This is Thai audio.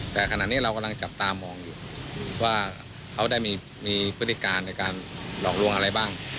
แต่ขณะนี้เรากำลังจะจับตามมองว่าเขาได้มีพฤติการหลอกรวงอะไรบ้าง